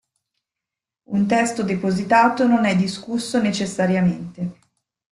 Un testo depositato non è discusso necessariamente.